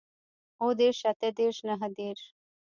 اووه دېرش اتۀ دېرش نهه دېرش